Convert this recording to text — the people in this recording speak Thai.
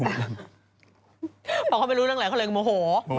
พอเขาไม่รู้เรื่องอะไรเขาเลยโมโห